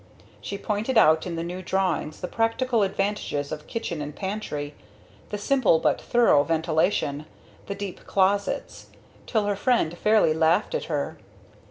She pointed out in the new drawings the practical advantages of kitchen and pantry; the simple but thorough ventilation, the deep closets, till her friend fairly laughed at her.